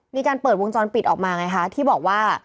มีการเปิดวงจรปิดออกมาไงคะที่บอกว่า